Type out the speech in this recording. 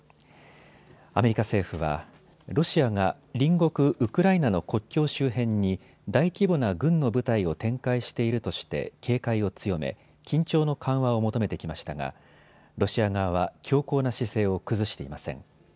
アメリカ政府はロシアが隣国ウクライナの国境周辺に大規模な軍の部隊を展開しているとして警戒を強め緊張の緩和を求めてきましたがロシア側は強硬な姿勢を崩していません。